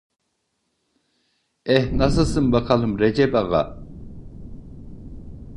Eh, nasılsın bakalım Recep Ağa?